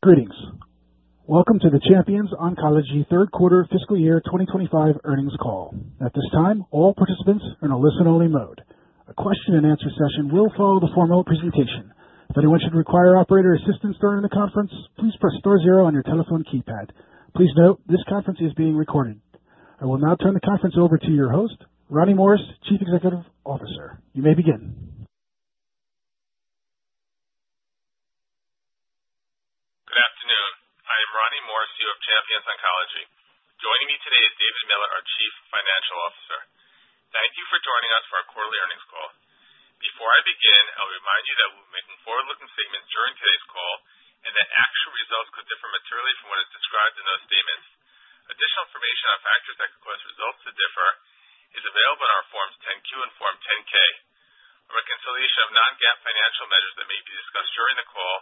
Greetings. Welcome to the Champions Oncology third quarter fiscal year 2025 earnings call. At this time, all participants are in a listen-only mode. A question-and-answer session will follow the formal presentation. If anyone should require operator assistance during the conference, please press star zero on your telephone keypad. Please note this conference is being recorded. I will now turn the conference over to your host, Ronnie Morris, Chief Executive Officer. You may begin. Good afternoon. I am Ronnie Morris, CEO of Champions Oncology. Joining me today is David Miller, our Chief Financial Officer. Thank you for joining us for our quarterly earnings call. Before I begin, I'll remind you that we'll be making forward-looking statements during today's call and that actual results could differ materially from what is described in those statements. Additional information on factors that could cause results to differ is available in our Forms 10-Q and Form 10-K. A reconciliation of non-GAAP financial measures that may be discussed during the call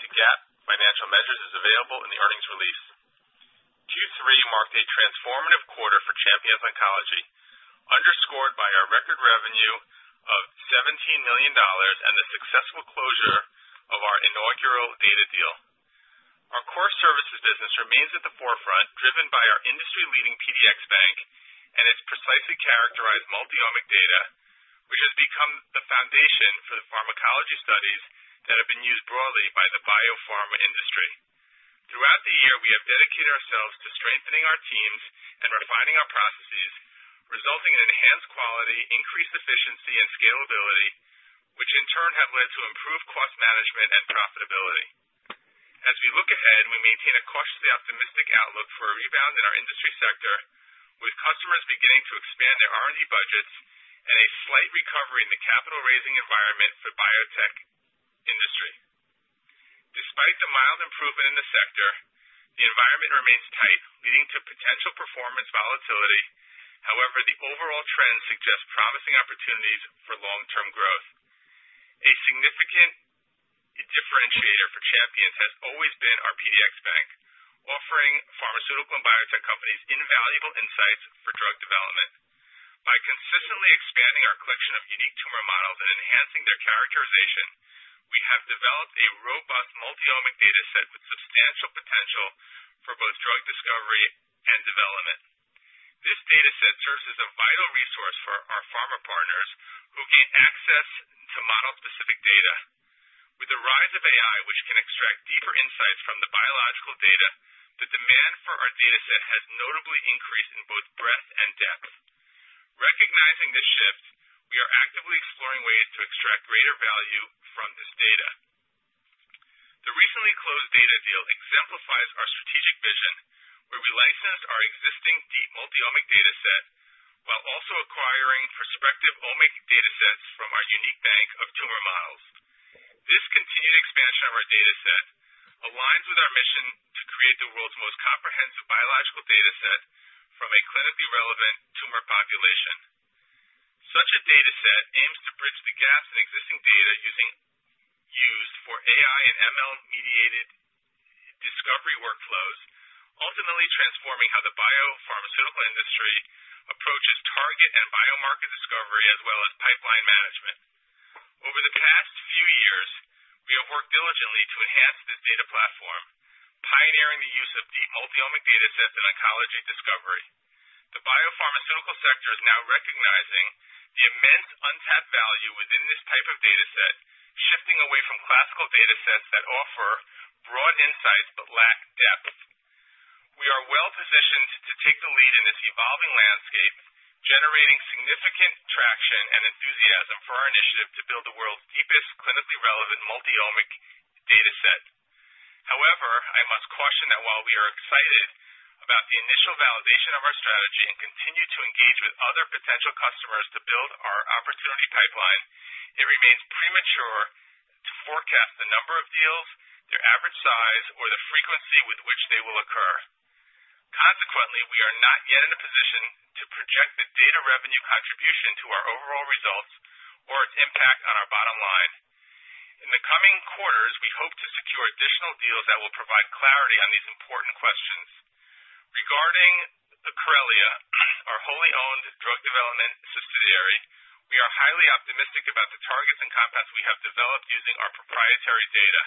to GAAP financial measures is available in the earnings release. Q3 marked a transformative quarter for Champions Oncology, underscored by our record revenue of $17 million and the successful closure of our inaugural data deal. Our core services business remains at the forefront, driven by our industry-leading PDX Bank and its precisely characterized multiomic data, which has become the foundation for the pharmacology studies that have been used broadly by the biopharma industry. Throughout the year, we have dedicated ourselves to strengthening our teams and refining our processes, resulting in enhanced quality, increased efficiency, and scalability, which in turn have led to improved cost management and profitability. As we look ahead, we maintain a cautiously optimistic outlook for a rebound in our industry sector, with customers beginning to expand their R&D budgets and a slight recovery in the capital-raising environment for the biotech industry. Despite the mild improvement in the sector, the environment remains tight, leading to potential performance volatility. However, the overall trend suggests promising opportunities for long-term growth. A significant differentiator for Champions has always been our PDX Bank, offering pharmaceutical and biotech companies invaluable insights for drug development. By consistently expanding our collection of unique tumor models and enhancing their characterization, we have developed a robust multiomic data set with substantial potential for both drug discovery and development. This data set serves as a vital resource for our pharma partners, who gain access to model-specific data. With the rise of AI, which can extract deeper insights from the biological data, the demand for our data set has notably increased in both breadth and depth. Recognizing this shift, we are actively exploring ways to extract greater value from this data. The recently closed data deal exemplifies our strategic vision, where we licensed our existing deep multiomic data set while also acquiring prospective omic data sets from our unique bank of tumor models. This continued expansion of our data set aligns with our mission to create the world's most comprehensive biological data set from a clinically relevant tumor population. Such a data set aims to bridge the gaps in existing data used for AI and ML-mediated discovery workflows, ultimately transforming how the biopharmaceutical industry approaches target and biomarker discovery, as well as pipeline management. Over the past few years, we have worked diligently to enhance this data platform, pioneering the use of deep multiomic data sets in oncology discovery. The biopharmaceutical sector is now recognizing the immense untapped value within this type of data set, shifting away from classical data sets that offer broad insights but lack depth. We are well-positioned to take the lead in this evolving landscape, generating significant traction and enthusiasm for our initiative to build the world's deepest clinically relevant multiomic data set. However, I must caution that while we are excited about the initial validation of our strategy and continue to engage with other potential customers to build our opportunity pipeline, it remains premature to forecast the number of deals, their average size, or the frequency with which they will occur. Consequently, we are not yet in a position to project the data revenue contribution to our overall results or its impact on our bottom line. In the coming quarters, we hope to secure additional deals that will provide clarity on these important questions. Regarding Corellia, our wholly-owned drug development subsidiary, we are highly optimistic about the targets and compounds we have developed using our proprietary data.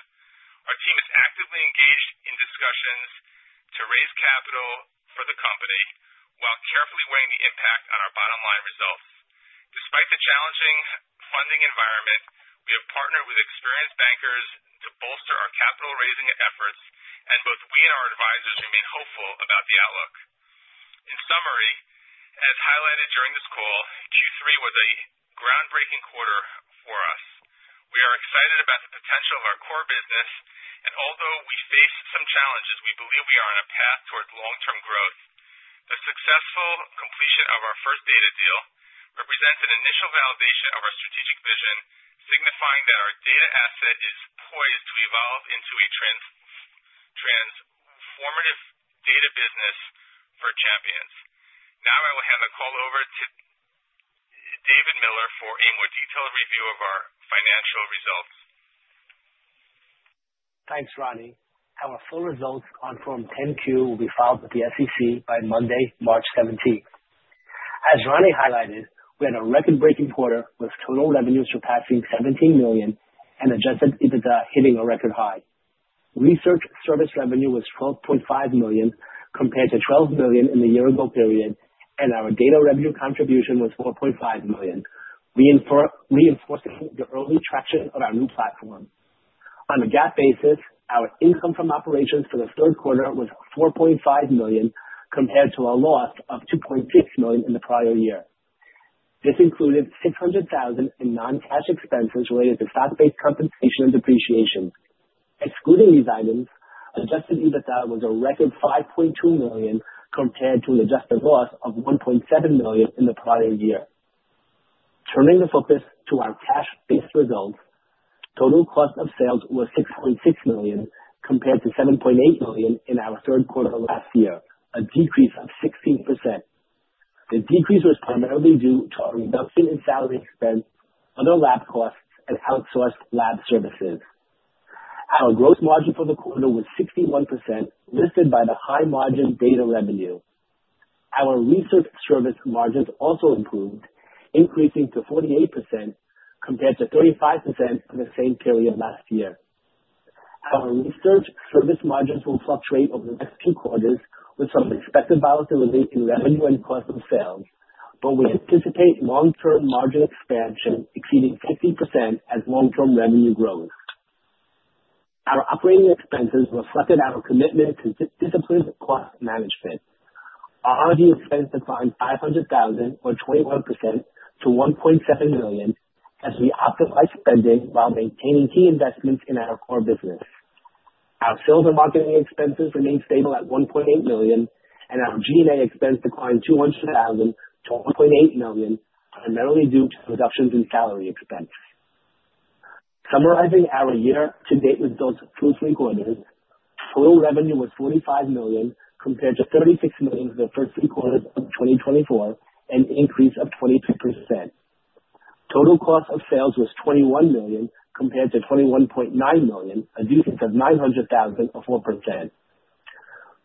Our team is actively engaged in discussions to raise capital for the company while carefully weighing the impact on our bottom-line results. Despite the challenging funding environment, we have partnered with experienced bankers to bolster our capital-raising efforts, and both we and our advisors remain hopeful about the outlook. In summary, as highlighted during this call, Q3 was a groundbreaking quarter for us. We are excited about the potential of our core business, and although we face some challenges, we believe we are on a path towards long-term growth. The successful completion of our first data deal represents an initial validation of our strategic vision, signifying that our data asset is poised to evolve into a transformative data business for Champions Oncology. Now, I will hand the call over to David Miller for a more detailed review of our financial results. Thanks, Ronnie. Our full results on Form 10Q will be filed with the SEC by Monday, March 17th. As Ronnie highlighted, we had a record-breaking quarter with total revenues surpassing $17 million and adjusted EBITDA hitting a record high. Research service revenue was $12.5 million compared to $12 million in the year-ago period, and our data revenue contribution was $4.5 million, reinforcing the early traction of our new platform. On a GAAP basis, our income from operations for the third quarter was $4.5 million compared to our loss of $2.6 million in the prior year. This included $600,000 in non-cash expenses related to stock-based compensation and depreciation. Excluding these items, adjusted EBITDA was a record $5.2 million compared to an adjusted loss of $1.7 million in the prior year. Turning the focus to our cash-based results, total cost of sales was $6.6 million compared to $7.8 million in our third quarter of last year, a decrease of 16%. The decrease was primarily due to our reduction in salary expense, other lab costs, and outsourced lab services. Our gross margin for the quarter was 61%, lifted by the high-margin data revenue. Our research service margins also improved, increasing to 48% compared to 35% for the same period last year. Our research service margins will fluctuate over the next two quarters, with some expected volatility in revenue and cost of sales, but we anticipate long-term margin expansion exceeding 50% as long-term revenue grows. Our operating expenses reflected our commitment to disciplined cost management. Our R&D expense declined $500,000, or 21%, to $1.7 million, as we optimized spending while maintaining key investments in our core business. Our sales and marketing expenses remained stable at $1.8 million, and our G&A expense declined $200,000 to $1.8 million, primarily due to reductions in salary expense. Summarizing our year-to-date results for the first three quarters, total revenue was $45 million compared to $36 million for the first three quarters of 2024, an increase of 22%. Total cost of sales was $21 million compared to $21.9 million, a decrease of $900,000, or 4%.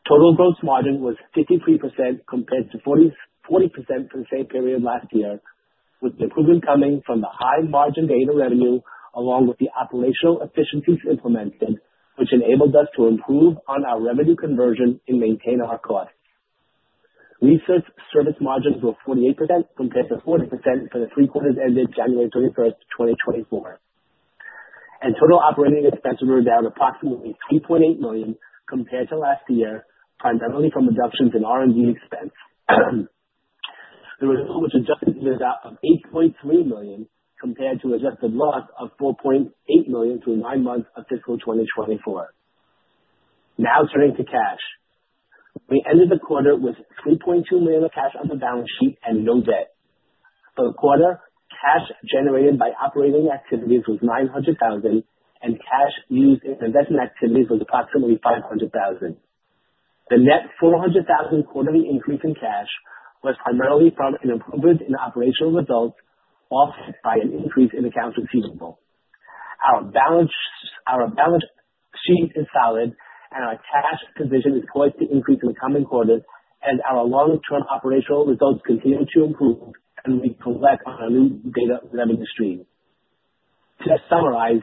Total gross margin was 53% compared to 40% for the same period last year, with the improvement coming from the high-margin data revenue along with the operational efficiencies implemented, which enabled us to improve on our revenue conversion and maintain our costs. Research service margins were 48% compared to 40% for the three quarters ended January 21, 2024, and total operating expenses were down approximately $3.8 million compared to last year, primarily from reductions in R&D expense. The result was adjusted EBITDA of $8.3 million compared to adjusted loss of $4.8 million through nine months of fiscal 2024. Now, turning to cash, we ended the quarter with $3.2 million of cash on the balance sheet and no debt. For the quarter, cash generated by operating activities was $900,000, and cash used in investment activities was approximately $500,000. The net $400,000 quarterly increase in cash was primarily from an improvement in operational results offset by an increase in accounts receivable. Our balance sheet is solid, and our cash position is poised to increase in the coming quarters as our long-term operational results continue to improve and we collect on our new data revenue stream. To summarize,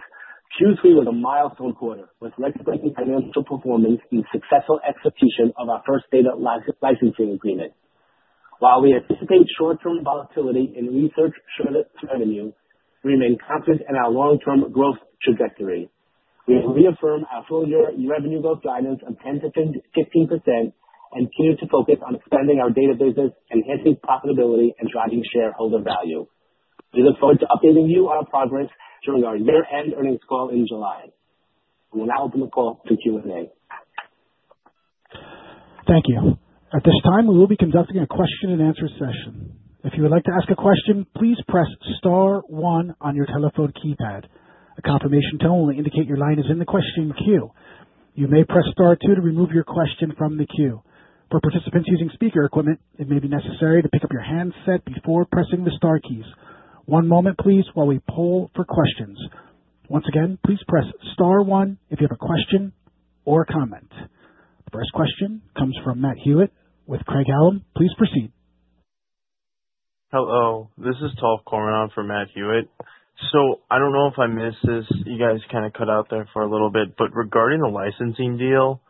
Q3 was a milestone quarter, with record-breaking financial performance and successful execution of our first data licensing agreement. While we anticipate short-term volatility in research service revenue, we remain confident in our long-term growth trajectory. We have reaffirmed our full-year revenue growth guidance of 10-15% and continue to focus on expanding our data business, enhancing profitability, and driving shareholder value. We look forward to updating you on our progress during our year-end earnings call in July. We'll now open the call to Q&A. Thank you. At this time, we will be conducting a question-and-answer session. If you would like to ask a question, please press star one on your telephone keypad. A confirmation tone will indicate your line is in the question queue. You may press star two to remove your question from the queue. For participants using speaker equipment, it may be necessary to pick up your handset before pressing the star keys. One moment, please, while we poll for questions. Once again, please press star one if you have a question or a comment. The first question comes from Matt Hewitt with Craig-Hallum. Please proceed. Hello. This is Toph Coron for Matt Hewitt. I do not know if I missed this. You guys kind of cut out there for a little bit. Regarding the licensing deal,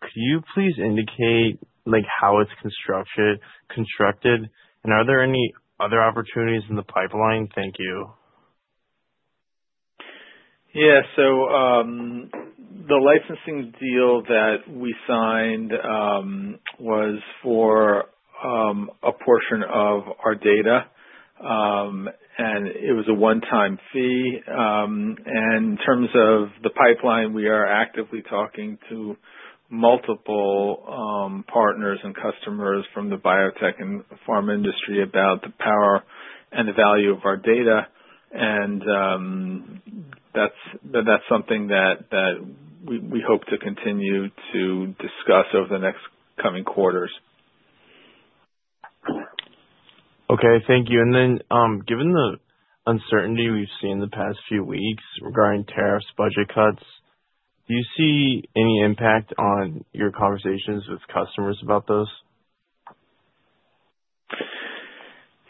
could you please indicate how it is constructed? Are there any other opportunities in the pipeline? Thank you. Yeah. The licensing deal that we signed was for a portion of our data, and it was a one-time fee. In terms of the pipeline, we are actively talking to multiple partners and customers from the biotech and pharma industry about the power and the value of our data. That is something that we hope to continue to discuss over the next coming quarters. Okay. Thank you. Given the uncertainty we've seen the past few weeks regarding tariffs, budget cuts, do you see any impact on your conversations with customers about those?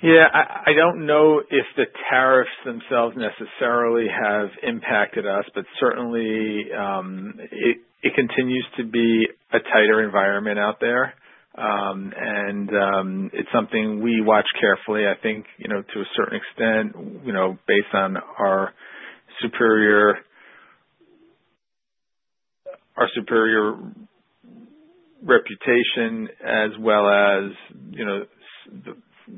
Yeah. I don't know if the tariffs themselves necessarily have impacted us, but certainly, it continues to be a tighter environment out there, and it's something we watch carefully. I think, to a certain extent, based on our superior reputation as well as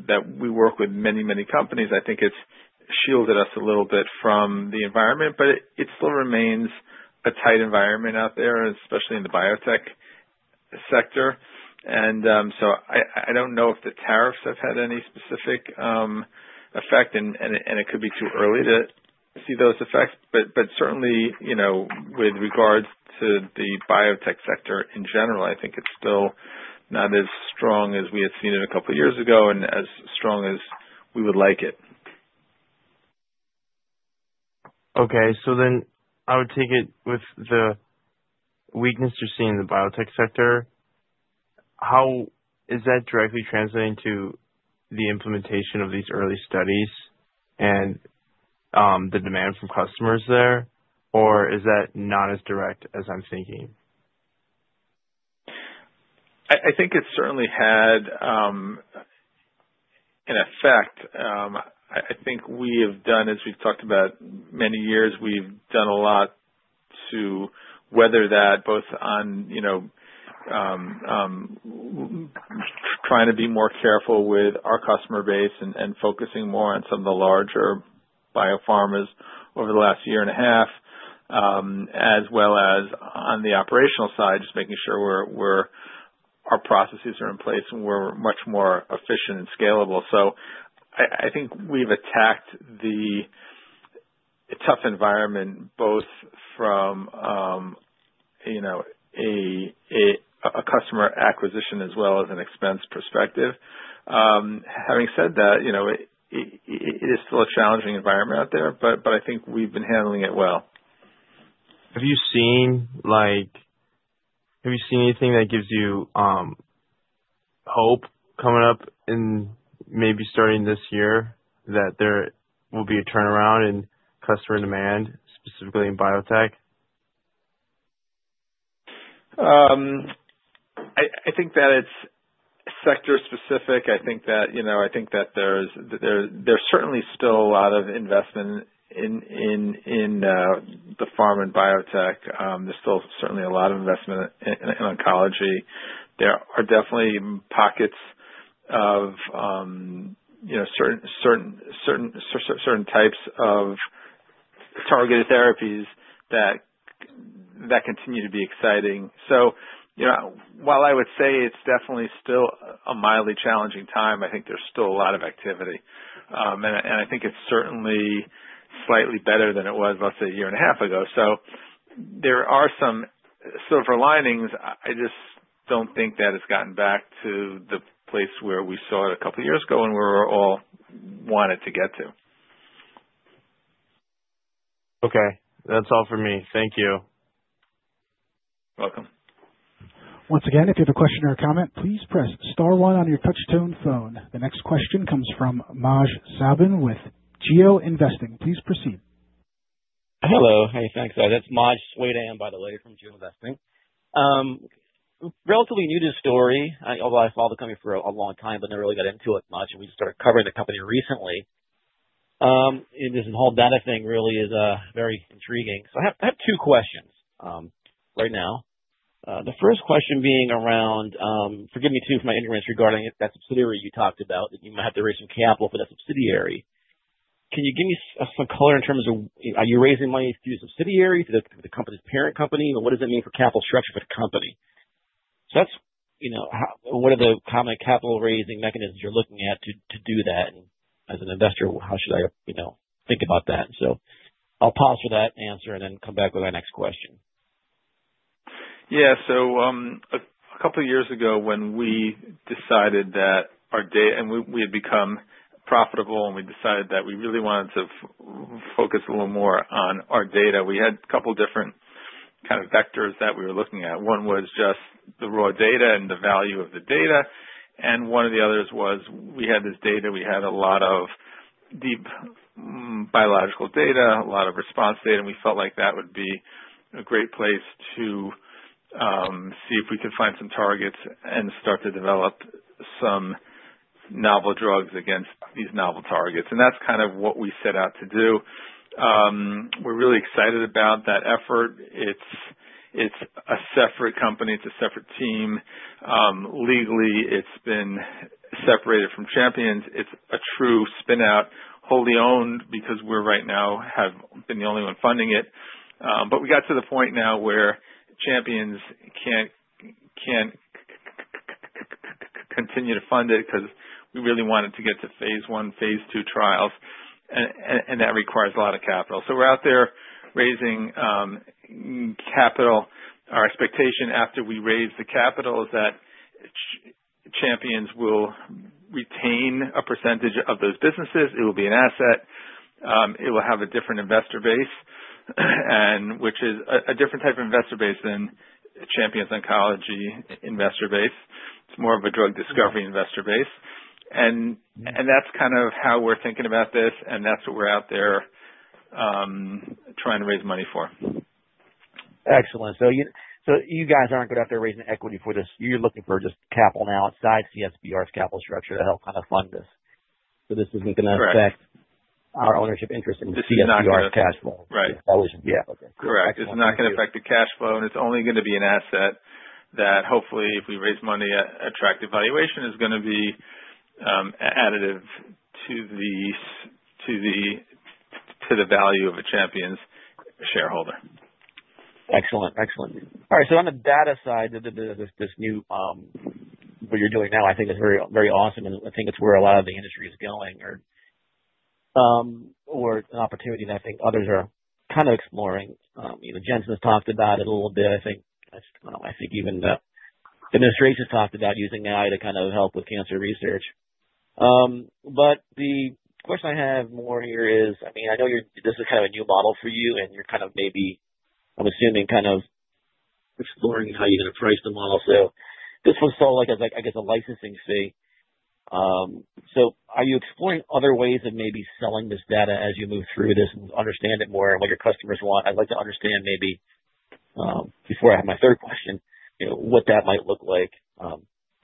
that we work with many, many companies, I think it's shielded us a little bit from the environment, but it still remains a tight environment out there, especially in the biotech sector. I don't know if the tariffs have had any specific effect, and it could be too early to see those effects. Certainly, with regards to the biotech sector in general, I think it's still not as strong as we had seen it a couple of years ago and as strong as we would like it. Okay. So then I would take it with the weakness you're seeing in the biotech sector, is that directly translating to the implementation of these early studies and the demand from customers there, or is that not as direct as I'm thinking? I think it's certainly had an effect. I think we have done, as we've talked about many years, we've done a lot to weather that, both on trying to be more careful with our customer base and focusing more on some of the larger biopharmas over the last year and a half, as well as on the operational side, just making sure our processes are in place and we're much more efficient and scalable. I think we've attacked the tough environment both from a customer acquisition as well as an expense perspective. Having said that, it is still a challenging environment out there, but I think we've been handling it well. Have you seen anything that gives you hope coming up in maybe starting this year that there will be a turnaround in customer demand, specifically in biotech? I think that it's sector-specific. I think that there's certainly still a lot of investment in the pharma and biotech. There's still certainly a lot of investment in oncology. There are definitely pockets of certain types of targeted therapies that continue to be exciting. While I would say it's definitely still a mildly challenging time, I think there's still a lot of activity. I think it's certainly slightly better than it was, let's say, a year and a half ago. There are some silver linings. I just don't think that it's gotten back to the place where we saw it a couple of years ago and where we all wanted to get to. Okay. That's all for me. Thank you. You're welcome. Once again, if you have a question or a comment, please press star one on your touch-tone phone. The next question comes from Maj Soueidan with GeoInvesting. Please proceed. Hello. Hey, thanks. That's Maj Soueidan, by the way, from GeoInvesting. Relatively new to the story, although I followed the company for a long time, but never really got into it much. We started covering the company recently. This whole data thing really is very intriguing. I have two questions right now. The first question being around, forgive me too for my ignorance regarding that subsidiary you talked about, that you might have to raise some capital for that subsidiary. Can you give me some color in terms of are you raising money through the subsidiary, through the company's parent company? What does it mean for capital structure for the company? What are the common capital-raising mechanisms you're looking at to do that? As an investor, how should I think about that? I'll pause for that answer and then come back with our next question. Yeah. A couple of years ago, when we decided that our data and we had become profitable, and we decided that we really wanted to focus a little more on our data, we had a couple of different kind of vectors that we were looking at. One was just the raw data and the value of the data. One of the others was we had this data. We had a lot of deep biological data, a lot of response data, and we felt like that would be a great place to see if we could find some targets and start to develop some novel drugs against these novel targets. That's kind of what we set out to do. We're really excited about that effort. It's a separate company. It's a separate team. Legally, it's been separated from Champions. It's a true spinout, wholly owned because we right now have been the only one funding it. We got to the point now where Champions can't continue to fund it because we really wanted to get to phase one, phase two trials, and that requires a lot of capital. We are out there raising capital. Our expectation after we raise the capital is that Champions will retain a percentage of those businesses. It will be an asset. It will have a different investor base, which is a different type of investor base than Champions Oncology investor base. It's more of a drug discovery investor base. That's kind of how we're thinking about this, and that's what we're out there trying to raise money for. Excellent. You guys aren't going to have to raise an equity for this. You're looking for just capital now outside CSBR's capital structure to help kind of fund this. This isn't going to affect our ownership interest in CSBR's cash flow. Correct. It's not going to affect the cash flow, and it's only going to be an asset that, hopefully, if we raise money, attractive valuation is going to be additive to the value of a Champions Oncology shareholder. Excellent. Excellent. All right. On the data side, this new what you're doing now, I think, is very awesome. I think it's where a lot of the industry is going or an opportunity that I think others are kind of exploring. Jensen has talked about it a little bit. I think even the administration has talked about using AI to kind of help with cancer research. The question I have more here is, I mean, I know this is kind of a new model for you, and you're kind of maybe, I'm assuming, kind of exploring how you're going to price the model. This one's still, I guess, a licensing fee. Are you exploring other ways of maybe selling this data as you move through this and understand it more and what your customers want? I'd like to understand maybe, before I have my third question, what that might look like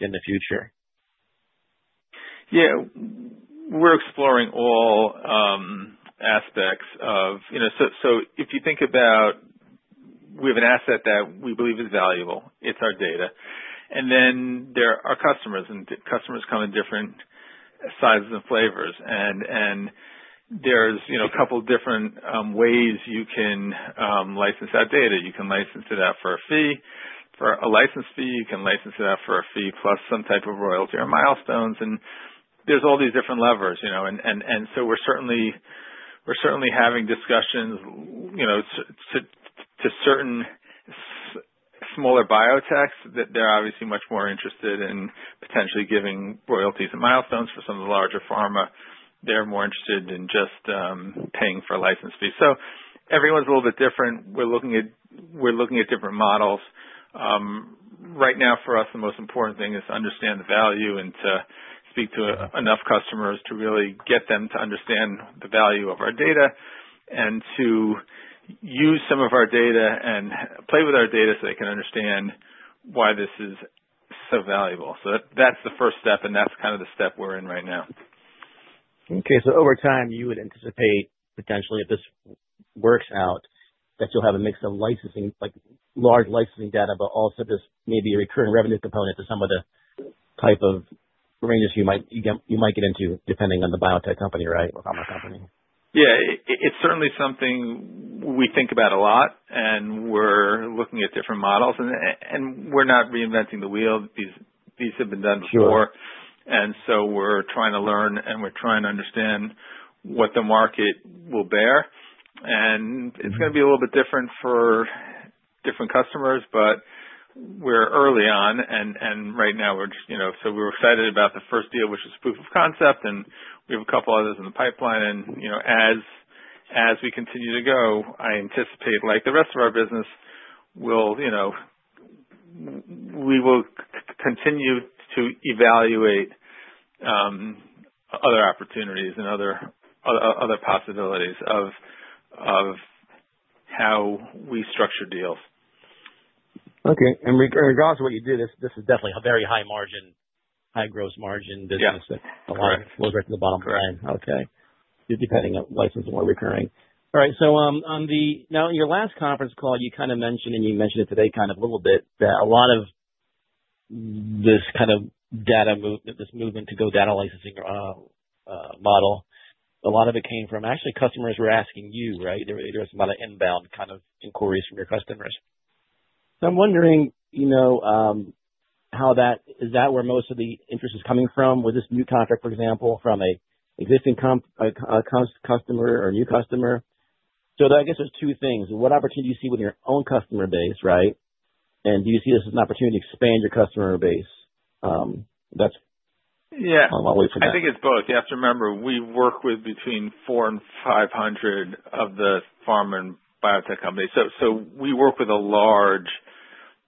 in the future. Yeah. We're exploring all aspects of, so if you think about, we have an asset that we believe is valuable. It's our data. And then there are customers, and customers come in different sizes and flavors. There's a couple of different ways you can license that data. You can license it out for a fee, for a license fee. You can license it out for a fee plus some type of royalty or milestones. There's all these different levers. We're certainly having discussions to certain smaller biotechs that are obviously much more interested in potentially giving royalties and milestones. For some of the larger pharma, they're more interested in just paying for a license fee. Everyone's a little bit different. We're looking at different models. Right now, for us, the most important thing is to understand the value and to speak to enough customers to really get them to understand the value of our data and to use some of our data and play with our data so they can understand why this is so valuable. That is the first step, and that is kind of the step we are in right now. Okay. Over time, you would anticipate, potentially, if this works out, that you'll have a mix of large licensing data, but also just maybe a recurring revenue component to some of the type of arrangements you might get into depending on the biotech company or pharma company. Yeah. It's certainly something we think about a lot, and we're looking at different models. We're not reinventing the wheel. These have been done before. We're trying to learn, and we're trying to understand what the market will bear. It's going to be a little bit different for different customers, but we're early on. Right now, we were excited about the first deal, which was proof of concept, and we have a couple others in the pipeline. As we continue to go, I anticipate, like the rest of our business, we will continue to evaluate other opportunities and other possibilities of how we structure deals. Okay. Regardless of what you did, this is definitely a very high-gross margin business that a lot of it flows right to the bottom of the line. Correct. Okay. Depending on licensing or recurring. All right. In your last conference call, you kind of mentioned, and you mentioned it today kind of a little bit, that a lot of this kind of data movement, this movement to go data licensing model, a lot of it came from actually customers were asking you, right? There was a lot of inbound kind of inquiries from your customers. I'm wondering how that is that where most of the interest is coming from with this new contract, for example, from an existing customer or a new customer? I guess there's two things. What opportunity do you see with your own customer base, right? Do you see this as an opportunity to expand your customer base? That's what I'm all waiting for. Yeah. I think it's both. You have to remember we work with between 400 and 500 of the pharma and biotech companies. We work with a large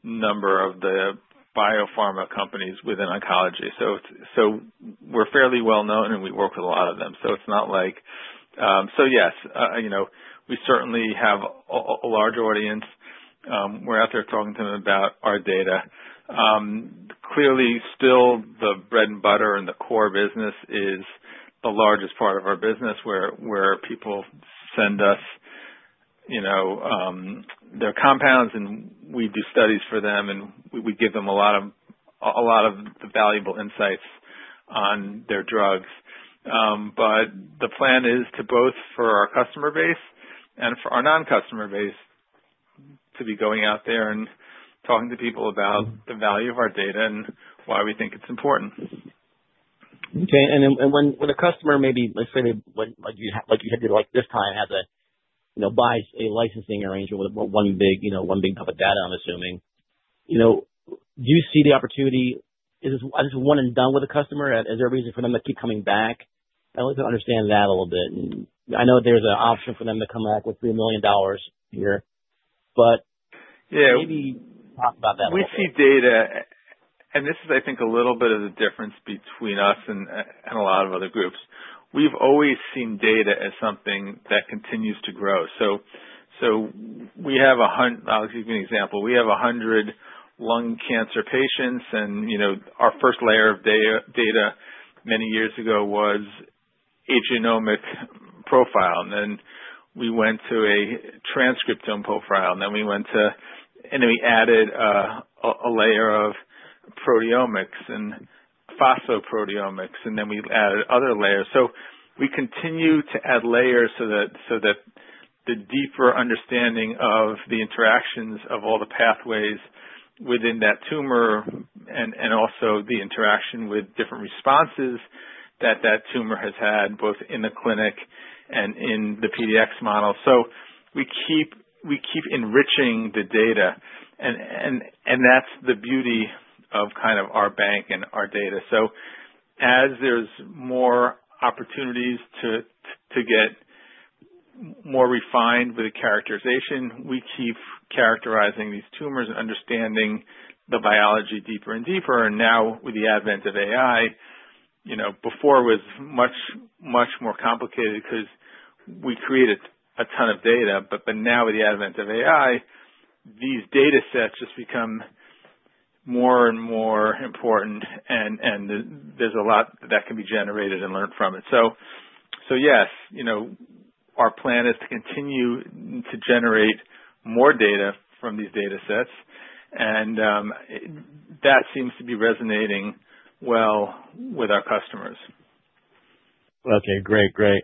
number of the biopharma companies within oncology. We're fairly well-known, and we work with a lot of them. Yes, we certainly have a large audience. We're out there talking to them about our data. Clearly, still, the bread and butter and the core business is the largest part of our business where people send us their compounds, and we do studies for them, and we give them a lot of valuable insights on their drugs. The plan is to both for our customer base and for our non-customer base to be going out there and talking to people about the value of our data and why we think it's important. Okay. When a customer maybe, let's say, like you did this time, has to buy a licensing arrangement with one big pump of data, I'm assuming, do you see the opportunity? Is this one and done with a customer? Is there a reason for them to keep coming back? I'd like to understand that a little bit. I know there's an option for them to come back with $3 million here, but maybe talk about that. Yeah. We see data, and this is, I think, a little bit of the difference between us and a lot of other groups. We've always seen data as something that continues to grow. We have a hundred, I'll give you an example. We have 100 lung cancer patients, and our first layer of data many years ago was a genomic profile. Then we went to a transcriptome profile, and then we added a layer of proteomics and phosphoproteomics, and then we added other layers. We continue to add layers so that the deeper understanding of the interactions of all the pathways within that tumor and also the interaction with different responses that that tumor has had both in the clinic and in the PDX model. We keep enriching the data, and that's the beauty of kind of our bank and our data. As there are more opportunities to get more refined with the characterization, we keep characterizing these tumors and understanding the biology deeper and deeper. Now, with the advent of AI, before it was much, much more complicated because we created a ton of data. Now, with the advent of AI, these data sets just become more and more important, and there is a lot that can be generated and learned from it. Yes, our plan is to continue to generate more data from these data sets, and that seems to be resonating well with our customers. Great. Great.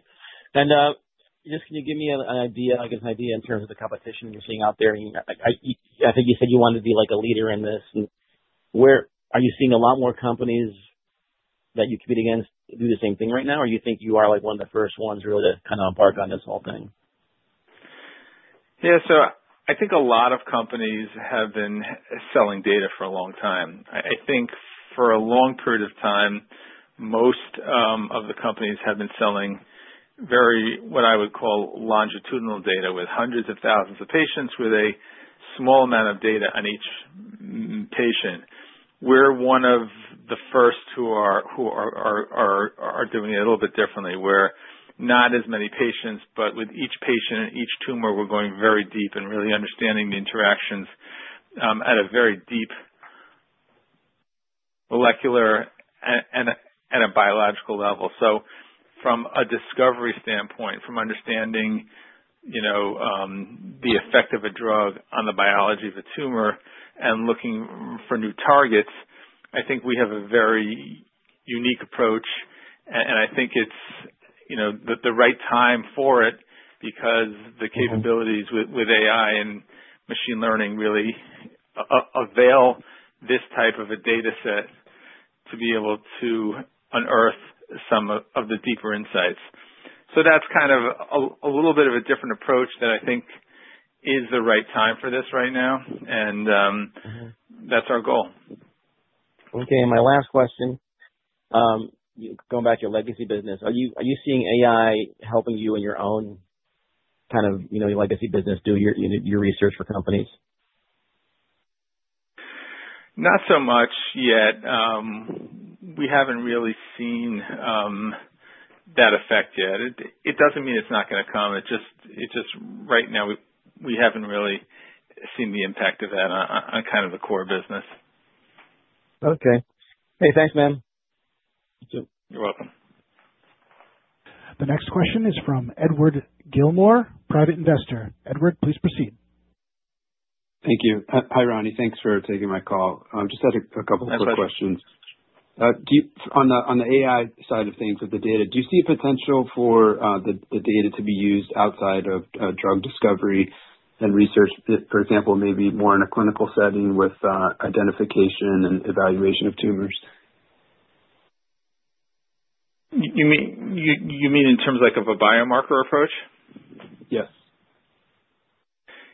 Just can you give me an idea, I guess, an idea in terms of the competition you're seeing out there? I think you said you wanted to be a leader in this. Are you seeing a lot more companies that you compete against do the same thing right now, or do you think you are one of the first ones really to kind of embark on this whole thing? Yeah. I think a lot of companies have been selling data for a long time. I think for a long period of time, most of the companies have been selling very, what I would call, longitudinal data with hundreds of thousands of patients with a small amount of data on each patient. We're one of the first who are doing it a little bit differently, where not as many patients, but with each patient and each tumor, we're going very deep and really understanding the interactions at a very deep molecular and a biological level. From a discovery standpoint, from understanding the effect of a drug on the biology of a tumor and looking for new targets, I think we have a very unique approach, and I think it's the right time for it because the capabilities with AI and machine learning really avail this type of a data set to be able to unearth some of the deeper insights. That's kind of a little bit of a different approach that I think is the right time for this right now, and that's our goal. Okay. My last question, going back to your legacy business, are you seeing AI helping you in your own kind of legacy business, doing your research for companies? Not so much yet. We haven't really seen that effect yet. It doesn't mean it's not going to come. It's just right now, we haven't really seen the impact of that on kind of the core business. Okay. Hey, thanks, man. You're welcome. The next question is from Edward Gilmore, private investor. Edward, please proceed. Thank you. Hi, Ronnie. Thanks for taking my call. I just had a couple of quick questions. Of course. On the AI side of things with the data, do you see potential for the data to be used outside of drug discovery and research, for example, maybe more in a clinical setting with identification and evaluation of tumors? You mean in terms of a biomarker approach? Yes.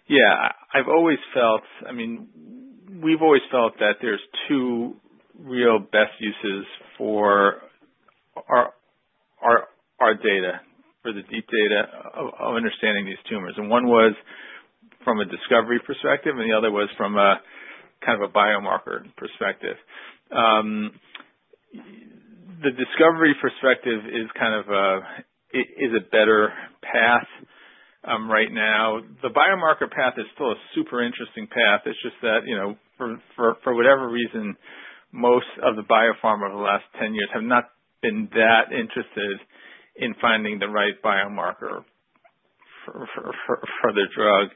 Yeah. I've always felt, I mean, we've always felt that there's two real best uses for our data, for the deep data of understanding these tumors. One was from a discovery perspective, and the other was from kind of a biomarker perspective. The discovery perspective is kind of a better path right now. The biomarker path is still a super interesting path. It's just that, for whatever reason, most of the biopharma over the last 10 years have not been that interested in finding the right biomarker for their drug.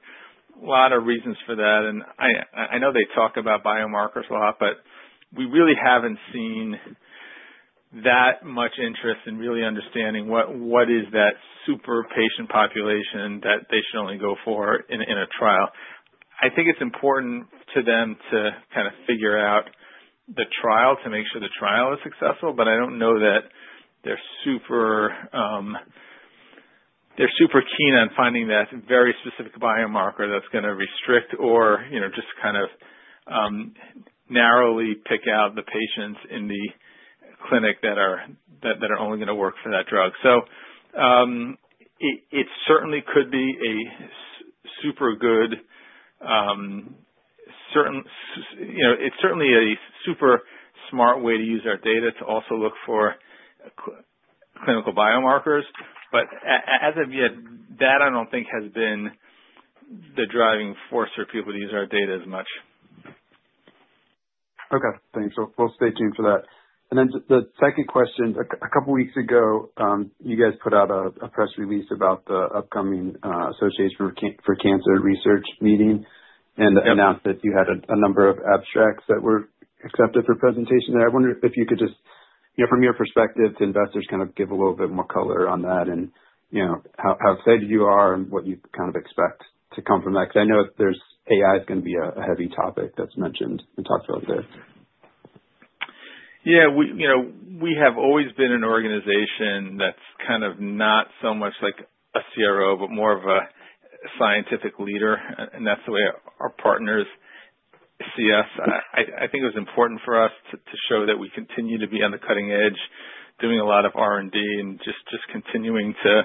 A lot of reasons for that. I know they talk about biomarkers a lot, but we really haven't seen that much interest in really understanding what is that super patient population that they should only go for in a trial. I think it's important to them to kind of figure out the trial to make sure the trial is successful, but I don't know that they're super keen on finding that very specific biomarker that's going to restrict or just kind of narrowly pick out the patients in the clinic that are only going to work for that drug. It certainly could be a super good, it's certainly a super smart way to use our data to also look for clinical biomarkers. As of yet, that I don't think has been the driving force for people to use our data as much. Okay. Thanks. Stay tuned for that. The second question, a couple of weeks ago, you guys put out a press release about the upcoming Association for Cancer Research meeting and announced that you had a number of abstracts that were accepted for presentation there. I wonder if you could just, from your perspective, to investors, kind of give a little bit more color on that and how excited you are and what you kind of expect to come from that because I know AI is going to be a heavy topic that's mentioned and talked about there. Yeah. We have always been an organization that's kind of not so much like a CRO but more of a scientific leader, and that's the way our partners see us. I think it was important for us to show that we continue to be on the cutting edge, doing a lot of R&D, and just continuing to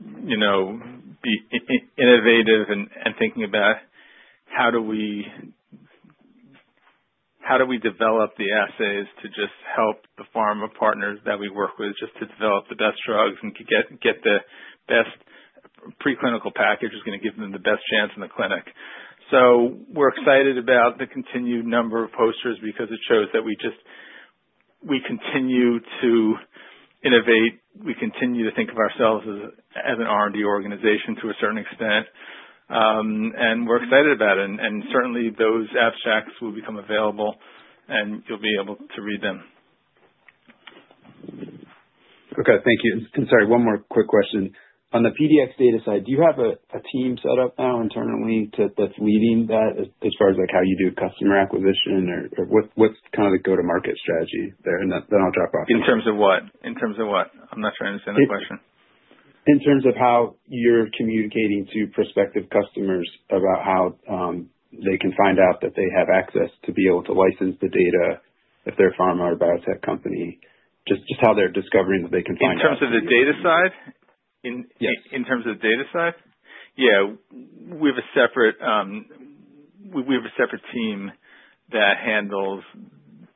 be innovative and thinking about how do we develop the assays to just help the pharma partners that we work with just to develop the best drugs and get the best preclinical package that's going to give them the best chance in the clinic. We are excited about the continued number of posters because it shows that we continue to innovate. We continue to think of ourselves as an R&D organization to a certain extent, and we're excited about it. Certainly, those abstracts will become available, and you'll be able to read them. Okay. Thank you. Sorry, one more quick question. On the PDX data side, do you have a team set up now internally that's leading that as far as how you do customer acquisition, or what's kind of the go-to-market strategy there? I'll drop off. In terms of what? In terms of what? I'm not sure I understand the question. In terms of how you're communicating to prospective customers about how they can find out that they have access to be able to license the data if they're a pharma or biotech company, just how they're discovering that they can find out. In terms of the data side? Yes. In terms of the data side? Yeah. We have a separate team that handles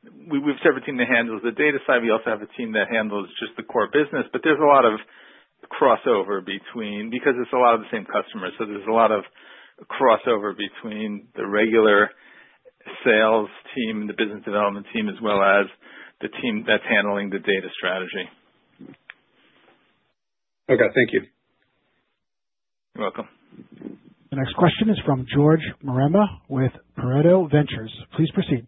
the data side. We also have a team that handles just the core business, but there's a lot of crossover because it's a lot of the same customers. So there's a lot of crossover between the regular sales team and the business development team as well as the team that's handling the data strategy. Okay. Thank you. You're welcome. The next question is from George Marema with Pareto Ventures. Please proceed.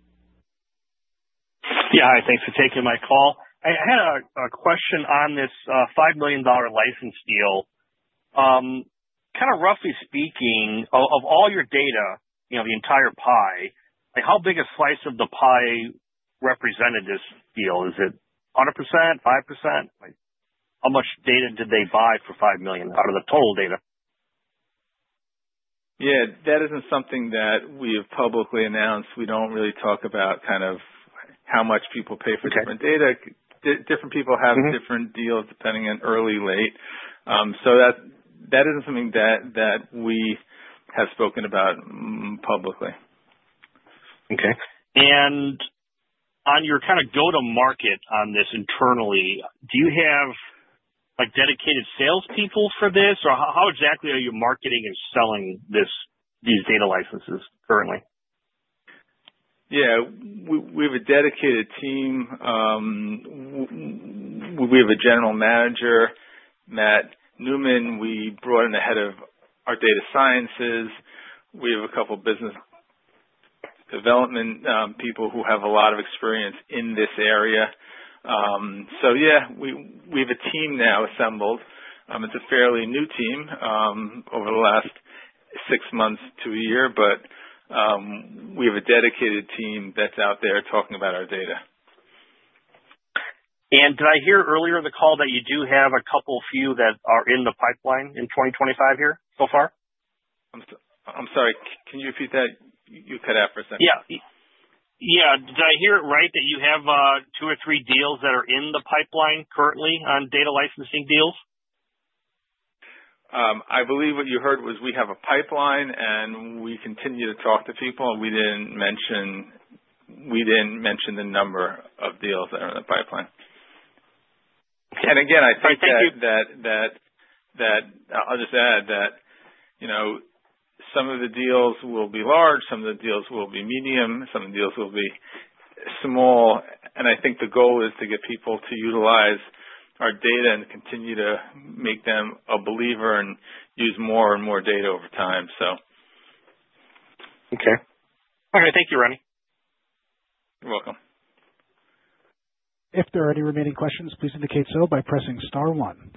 Yeah. Hi. Thanks for taking my call. I had a question on this $5 million license deal. Kind of roughly speaking, of all your data, the entire pie, how big a slice of the pie represented this deal? Is it 100%, 5%? How much data did they buy for $5 million out of the total data? Yeah. That isn't something that we have publicly announced. We don't really talk about kind of how much people pay for different data. Different people have different deals depending on early, late. That isn't something that we have spoken about publicly. Okay. On your kind of go-to-market on this internally, do you have dedicated salespeople for this, or how exactly are you marketing and selling these data licenses currently? Yeah. We have a dedicated team. We have a general manager, Matt Newman. We brought in the head of our data sciences. We have a couple of business development people who have a lot of experience in this area. Yeah, we have a team now assembled. It's a fairly new team over the last six months to a year, but we have a dedicated team that's out there talking about our data. Did I hear earlier in the call that you do have a couple few that are in the pipeline in 2025 here so far? I'm sorry. Can you repeat that? You cut out for a second. Yeah. Yeah. Did I hear it right that you have two or three deals that are in the pipeline currently on data licensing deals? I believe what you heard was we have a pipeline, and we continue to talk to people, and we did not mention the number of deals that are in the pipeline. I think that. Thank you. I'll just add that some of the deals will be large. Some of the deals will be medium. Some of the deals will be small. I think the goal is to get people to utilize our data and continue to make them a believer and use more and more data over time. Okay. All right. Thank you, Ronnie. You're welcome. If there are any remaining questions, please indicate so by pressing star one.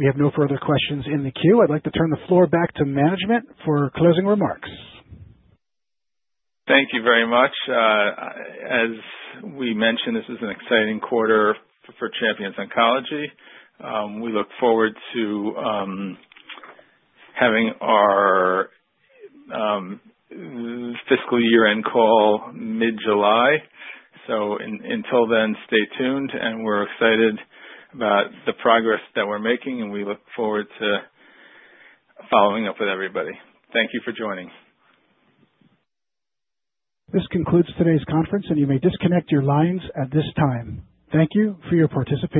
We have no further questions in the queue. I'd like to turn the floor back to management for closing remarks. Thank you very much. As we mentioned, this is an exciting quarter for Champions Oncology. We look forward to having our fiscal year-end call mid-July. Until then, stay tuned, and we're excited about the progress that we're making, and we look forward to following up with everybody. Thank you for joining. This concludes today's conference, and you may disconnect your lines at this time. Thank you for your participation.